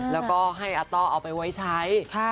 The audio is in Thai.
แล้วก็ให้อาต้อเอาไปไว้ใช้